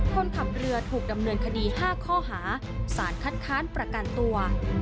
คนขับเรือถูกดำเนินคดี๕ข้อหาสารคัดค้านประกันตัว